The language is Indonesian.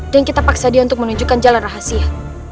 dan kita paksa dia untuk menunjukkan jalan rahasia